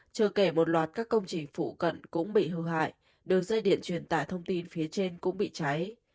chờ kể một loạt các công trình phụ cận cũng bị hư hại đường dây điện truyền tải thông tin phía trên cũng bị cháy